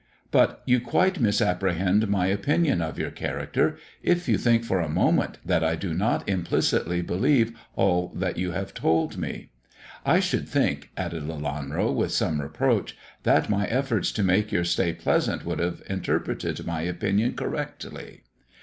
But you quite misapprehend my opinion of your character if you think for a moment that I do not implicitly 104 THE DWARF*S CHAMBER believe all that you have told me. I should think/' added Lelanro, with some reproach, "that my efforts to make your stay pleasant would have interpreted my opinion correctly."